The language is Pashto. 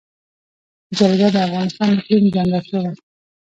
جلګه د افغانستان د اقلیم ځانګړتیا ده.